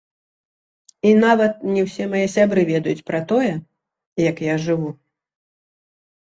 І нават не ўсе мае сябры ведаюць пра тое, як я жыву.